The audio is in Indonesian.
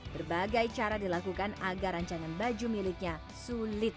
berbagai cara dilakukan agar rancangan baju miliknya sulit